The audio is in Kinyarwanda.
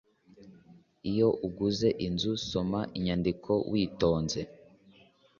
Iyo uguze inzu, soma inyandiko witonze.